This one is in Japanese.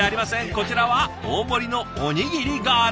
こちらは大盛りのおにぎりガール。